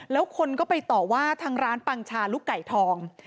แล้วคนก็ไปต่อว่าทางร้านปังชาลูกไก่ทอง